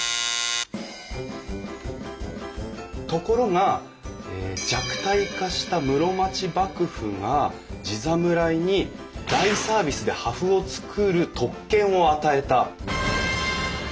ところが弱体化した室町幕府が地侍に大サービスで破風を作る特権を与えた。